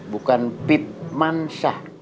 bukan pip mansyah